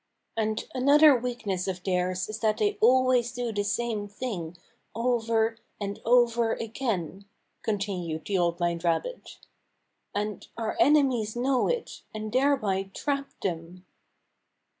" And another weakness of theirs is that they Bumper Hunts With the Pack 13 always do the same thing over and over again," continued the Old Blind Rabbit, "and our enemies know it, and thereby trap them."